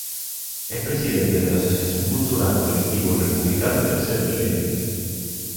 Es presidente de la asociación cultural Colectivo Republicano Tercer Milenio.